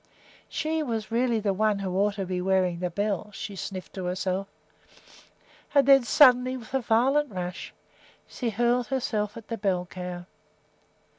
She was really the one who ought to be wearing the bell, she sniffed to herself; and then suddenly, with a violent rush, she hurled herself at the bell cow.